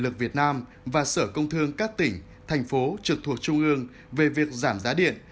lực việt nam và sở công thương các tỉnh thành phố trực thuộc trung ương về việc giảm giá điện